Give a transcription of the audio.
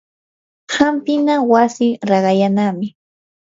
hampina wasi raqallanami.